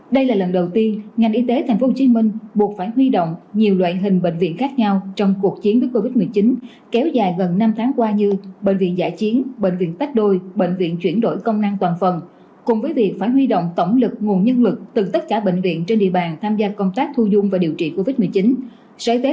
đây là lần đầu tiên ngành y tế tp hcm buộc phải huy động nhiều loại hình bệnh viện khác nhau trong cuộc chiến với covid một mươi chín kéo dài gần năm tháng qua như bệnh viện giải chiến bệnh viện tách đôi bệnh viện chuyển đổi công năng toàn phần cùng với việc phải huy động tổng lực nguồn nhân lực từ tất cả bệnh viện trên địa bàn tham gia công tác thu dung và điều trị covid một mươi chín